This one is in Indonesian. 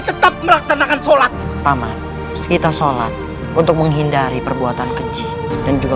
tetap melaksanakan sholat taman kita sholat untuk menghindari perbuatan keji dan juga